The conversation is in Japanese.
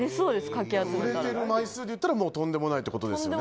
かき集めたら売れてる枚数でいったらもうとんでもないってことですよね